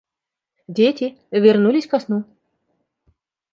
Дети, вернулись ко сну.